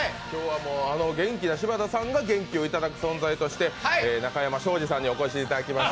あの元気な柴田さんが元気をいただく存在として中山しょうじさんにお越しいただいています。